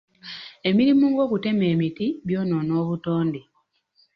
Emirimu ng'okutema emiti by'onoona obutonde.